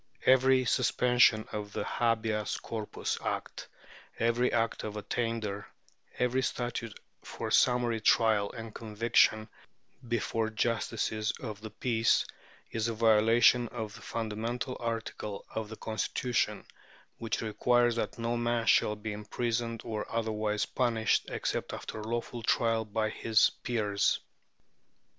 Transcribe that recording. Every suspension of the Habeas Corpus Act, every Act of Attainder, every statute for summary trial and conviction before justices of the peace, is a violation of the fundamental article of the Constitution, which requires that no man shall be imprisoned or otherwise punished except after lawful trial by his peers.